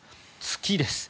月です。